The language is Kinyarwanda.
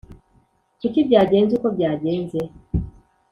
kuki byagenze uko byagenze